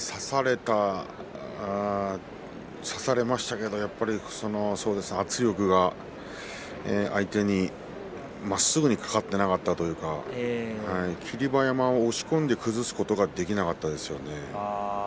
差されましたけども圧力が相手にまっすぐにかかっていなかったというか霧馬山を押し込んで崩すことができなかったですね。